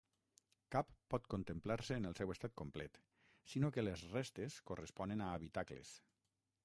Cap pot contemplar-se en el seu estat complet, sinó que les restes corresponen a habitacles.